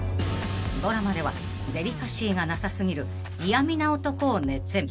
［ドラマではデリカシーがなさ過ぎる嫌みな男を熱演］